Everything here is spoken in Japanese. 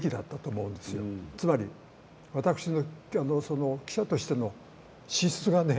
つまり私の記者としての資質がね